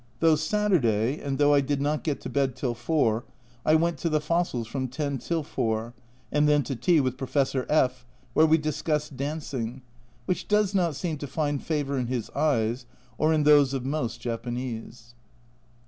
Though Saturday, and though I did not get to bed till 4, I went to the fossils from 10 till 4, and then to tea with Professor F , where we discussed dancing, which does not seem to find favour in his eyes, or in those of most Japanese.